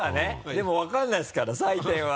でも分からないですから採点は。